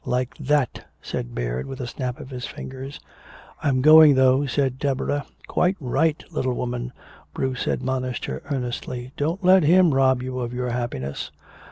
"Like that," said Baird, with a snap of his fingers. "I'm going, though," said Deborah. "Quite right, little woman," Bruce admonished her earnestly. "Don't let him rob you of your happiness."